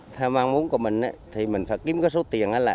theo mong muốn của mình thì mình phải kiếm cái số tiền